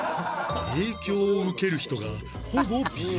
影響を受ける人がほぼ美容絡み